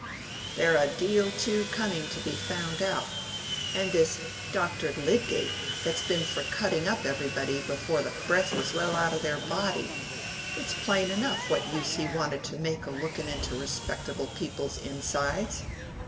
They're a deal too cunning to be found out. And this Doctor Lydgate that's been for cutting up everybody before the breath was well out o' their body—it's plain enough what use he wanted to make o' looking into respectable people's insides.